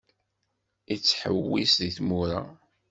Yettḥewwis deg tmura